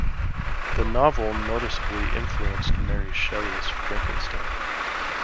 The novel noticeably influenced Mary Shelley's "Frankenstein".